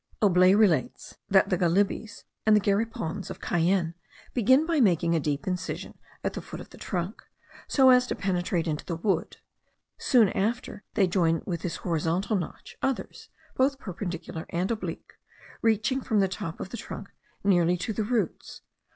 Aublet relates, that the Galibis and the Garipons of Cayenne begin by making a deep incision at the foot of the trunk, so as to penetrate into the wood; soon after they join with this horizontal notch others both perpendicular and oblique, reaching from the top of the trunk nearly to the roots.